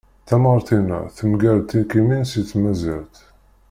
Tamɣart-inna temger-d tirkimin si tmazirt.